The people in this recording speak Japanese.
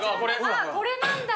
これなんだ。